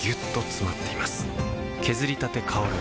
削りたて香る